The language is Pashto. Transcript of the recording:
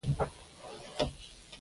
موږ هېڅکله هیله له لاسه نه ورکوو .